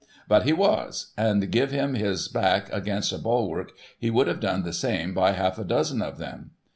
But he was ; and give him his back against a bulwark, he would have done the same by half a dozen of them.